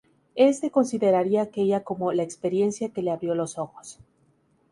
Este consideraría aquella como "la experiencia que le abrió los ojos".